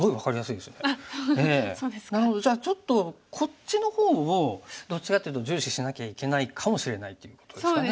なるほどじゃあちょっとこっちの方をどっちかっていうと重視しなきゃいけないかもしれないということですかね。